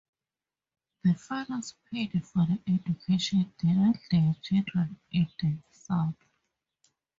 The fathers paid for the education denied their children in the South.